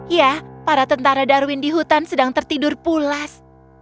ya para tentara darwin di hutan sedang tertidur pulas